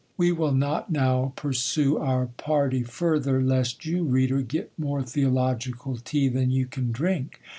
We will not now pursue our party further, lest you, Reader, get more theological tea than you can drink.